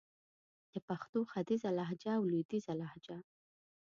د پښتو ختیځه لهجه او لويديځه لهجه